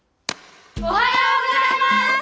おはようございます！